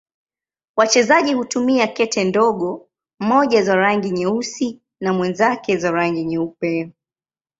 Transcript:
Wachezaji hutumia kete ndogo, mmoja za rangi nyeusi na mwenzake za rangi nyeupe.